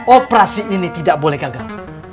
operasi ini tidak boleh gagal